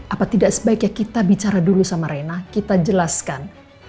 apa tidak sebaiknya kita bicara dulu sama reina kita jelaskan